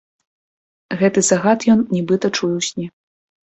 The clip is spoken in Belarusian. Гэты загад ён, нібыта, чуе ў сне.